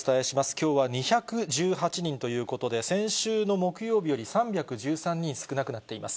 きょうは２１８人ということで、先週の木曜日より３１３人少なくなっています。